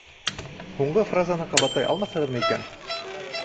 Һуңғы фразаны ҡабатлай алмаҫһығыҙмы икән?